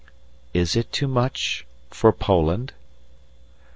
"Is it too much for Poland?"